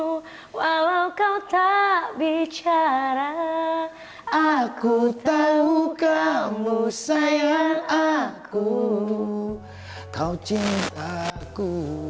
aku walau kau tak bicara aku tahu kamu sayang aku kau cintaku